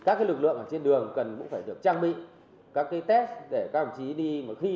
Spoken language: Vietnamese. các lực lượng trên đường cũng cần được trang bị các test để các đồng chí đi